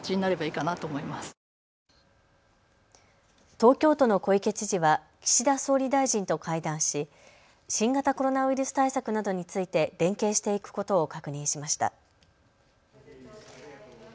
東京都の小池知事は岸田総理大臣と会談し新型コロナウイルス対策などについて連携していくことを確認しました。